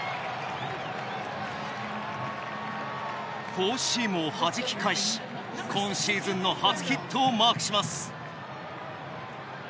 フォーシームをはじき返し今シーズンの初ヒットをマークします。